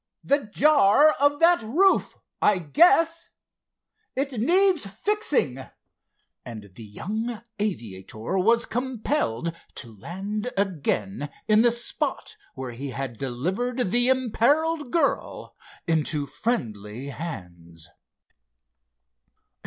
"The jar of that roof, I guess. It needs fixing," and the young aviator was compelled to land again in the spot where he had delivered the imperiled girl into friendly hands.